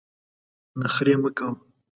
نخرې مه کوه !